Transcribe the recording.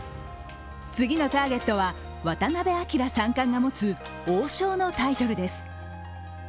次のターゲットは、渡辺明三冠が持つ王将のタイトルです。